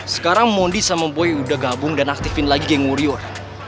sekarang mondi sama boy udah gabung dan aktifin lagi geng ngurior